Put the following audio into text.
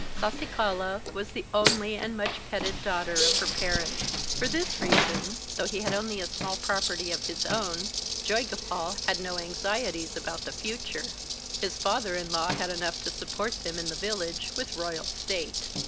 Sasikala was the only and much petted daughter of her parents. For this reason, though he had only a small property of his own, Joygopal had no anxieties about the future. His father in law had enough to support them in a village with royal state.